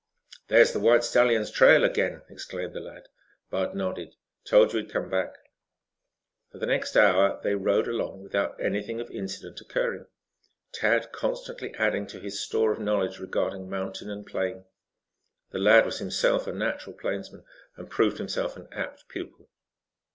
"There's the white stallion's trail again," exclaimed the lad. Bud nodded. "Told you he'd come back." For the next hour they rode along without anything of incident occurring, Tad constantly adding to his store of knowledge regarding mountain and plain. The lad was himself a natural plainsman and proved himself an apt pupil.